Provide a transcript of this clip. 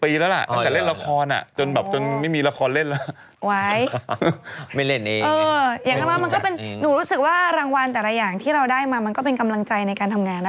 อย่างนั้นแล้วมันก็เป็นหนูรู้สึกว่ารางวัลแต่ละอย่างที่เราได้มามันก็เป็นกำลังใจในการทำงานนะ